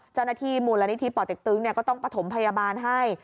เจ้าหน้าที่มูลนิธิป่อเต็กตึงก็ต้องประถมพยาบาลให้